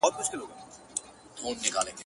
ما وتا بېل كړي سره.